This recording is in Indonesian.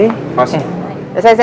kalau lama berani sial